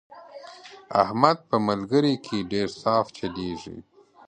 احمد په ملګرۍ کې ډېر صاف چلېږي.